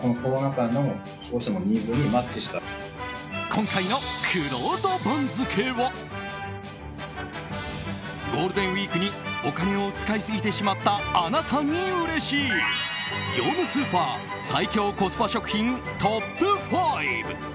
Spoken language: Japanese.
今回のくろうと番付はゴールデンウィークにお金を使いすぎてしまったあなたにうれしい業務スーパー最強コスパ食品トップ５。